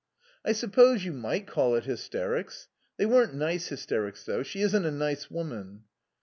"I suppose you might call it hysterics. They weren't nice hysterics, though. She isn't a nice woman."